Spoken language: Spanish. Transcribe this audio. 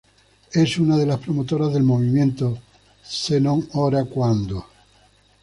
Es una de las promotoras del movimiento "Se non ora quando?